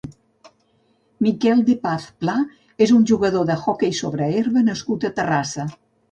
Miquel de Paz Plá és un jugador d'hoquei sobre herba nascut a Terrassa.